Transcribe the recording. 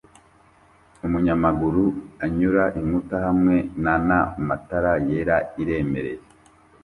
Umunyamaguru anyura inkuta hamwe nana matara yera iremereye